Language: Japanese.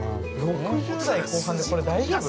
◆６０代後半で、これ大丈夫？